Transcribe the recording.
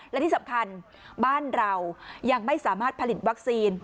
และที่สำคัญบ้านเรายังไม่สามารถผลิตวัคซีน